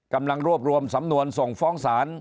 กำลังรวบรวมสำนวนส่งฟ้องศาล